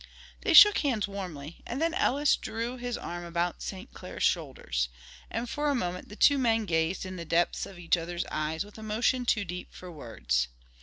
They shook hands warmly, and then Ellis threw his arm about St. Clair's shoulders, and for a moment the two men gazed in the depths of each other's eyes with emotion too deep for words.